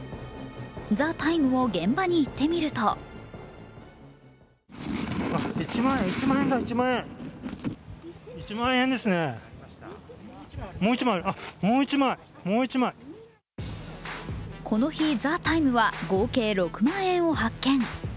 「ＴＨＥＴＩＭＥ，」も現場に行ってみるとこの日「ＴＨＥＴＩＭＥ，」は合計６万円を発見。